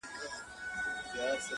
یو لرګی به یې لا هم کړ ور دننه!!